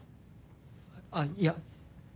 あっいや